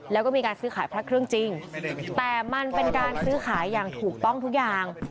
แล้วก็มีการซื้อขายพระเครื่องจริงแต่มันเป็นการซื้อขายอย่างถูกต้องทุกอย่าง